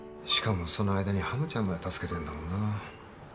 しかもその間にハムちゃんまで助けてんだもんな